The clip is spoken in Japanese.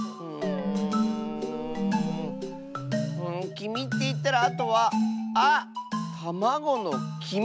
きみっていったらあとはあったまごのきみ！